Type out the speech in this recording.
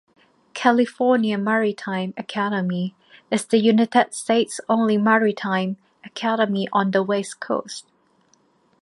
California Maritime Academy is the United States' only maritime academy on the West Coast.